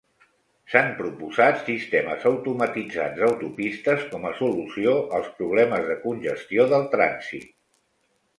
S'han proposat sistemes automatitzats d'autopistes com a solució als problemes de congestió del trànsit.